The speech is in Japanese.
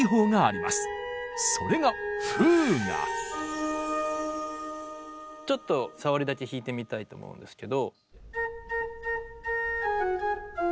それがちょっとさわりだけ弾いてみたいと思うんですけど。